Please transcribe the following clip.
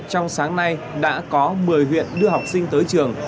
trong sáng nay đã có một mươi huyện đưa học sinh tới trường